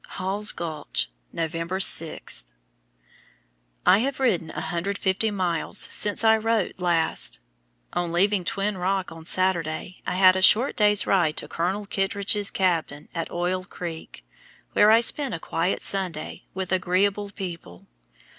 HALL'S GULCH, November 6. I have ridden 150 miles since I wrote last. On leaving Twin Rock on Saturday I had a short day's ride to Colonel Kittridge's cabin at Oil Creek, where I spent a quiet Sunday with agreeable people.